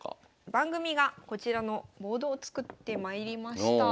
番組がこちらのボードを作ってまいりました。